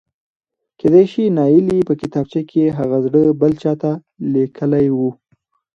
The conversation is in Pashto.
کېدای شي نايلې په کتابچه کې هغه زړه بل چاته لیکلی و.؟؟